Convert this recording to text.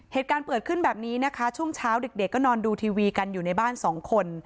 เหตุการณ์เกิดขึ้นแบบนี้นะคะช่วงเช้าเด็กก็นอนดูทีวีกันอยู่ในบ้านสองคน